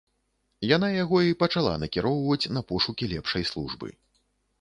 Яна яго і пачала накіроўваць на пошукі лепшай службы.